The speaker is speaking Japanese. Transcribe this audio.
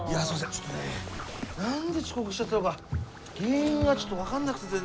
ちょっとね何で遅刻しちゃったのか原因がちょっと分かんなくて全然。